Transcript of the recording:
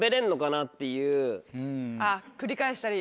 あっ繰り返したり。